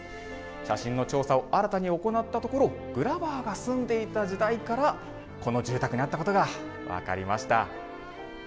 写真の調査を新たに行ったところグラバーが住んでいた時代からこの住宅にあったことが分かりました。